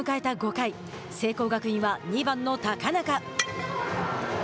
５回聖光学院は２番の高中。